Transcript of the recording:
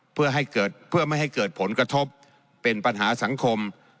เพื่อไม่ให้เกิดผลกระทบเป็นปัญหาสังคม